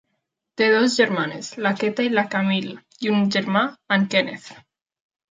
Té dues germanes, la Keta i la Camillie, i un germà, en Kenneth.